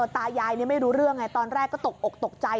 ตายายไม่รู้เรื่องไงตอนแรกก็ตกอกตกใจ